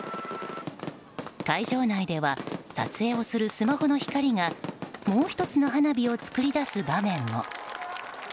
会場内では撮影をするスマホの光がもう１つの花火を作り出す場面も。